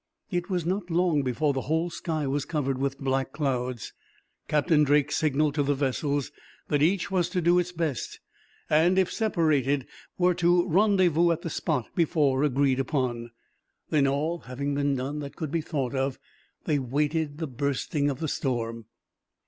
It was not long before the whole sky was covered with black clouds. Captain Drake signaled to the vessels that each was to do its best; and, if separated, was to rendezvous at the spot before agreed upon. Then, all having been done that could be thought of, they waited the bursting of the storm.